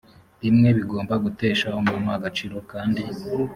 rimwe bigomba gutesha umuntu agaciro kandi